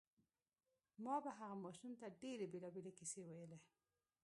ما به هغه ماشوم ته ډېرې بېلابېلې کیسې ویلې